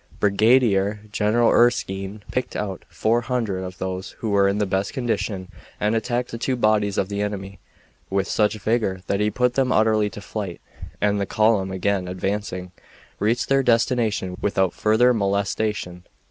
Brigadier General Erskine picked out 400 of those who were in the best condition and attacked the two bodies of the enemy with such vigor that he put them utterly to flight, and the column, again advancing, reached their destination without further molestation.